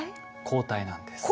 抗体なんです。